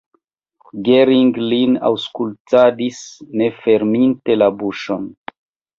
Gering lin aŭskultadis ne ferminte la buŝon.